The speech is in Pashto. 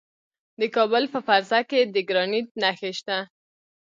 د کابل په فرزه کې د ګرانیټ نښې شته.